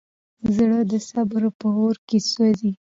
زړه د صبر په اور کې سوځي.